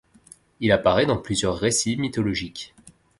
Il apparaît dans plusieurs récits mythologiques.